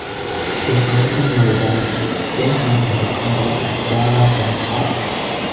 In urban Melbourne, they have been recorded at Yarra Bend Park.